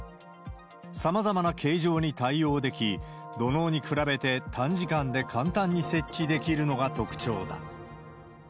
さまざまな形状に対応でき、土のうに比べて短時間で簡単に設置できるのが特徴だ。